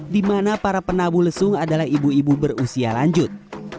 di mana para penabuh lesung adalah ibu ibu berusia lanjut